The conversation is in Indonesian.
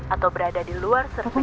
atau berada di luar servis area